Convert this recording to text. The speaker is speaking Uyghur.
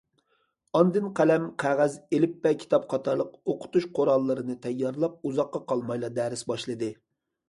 ئاندىن قەلەم، قەغەز، ئېلىپبە كىتاب قاتارلىق ئوقۇتۇش قوراللىرىنى تەييارلاپ، ئۇزاققا قالمايلا دەرس باشلىدى.